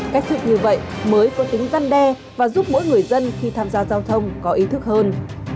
cách thức như vậy mới có tính răn đe và giúp mỗi người dân khi tham gia giao thông có ý thức hơn